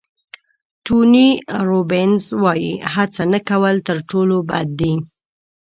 ټوني روبینز وایي هڅه نه کول تر ټولو بد دي.